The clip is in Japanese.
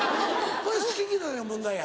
これ好き嫌いの問題や。